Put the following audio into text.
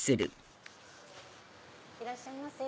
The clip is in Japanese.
いらっしゃいませ。